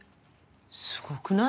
すごくない？